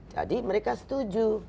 jadi mereka setuju